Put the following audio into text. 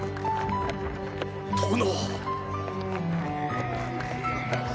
殿。